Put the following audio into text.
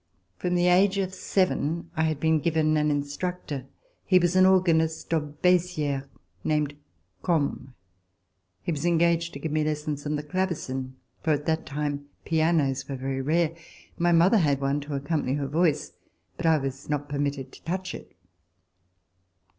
From the age of seven I had been given an instructor. He was an organist of Beziers, named Combes. He was engaged to give me lessons on the clavecin, for at that time pianos were very rare. My mother had one to accompany her voice, but I was not permitted to touch it.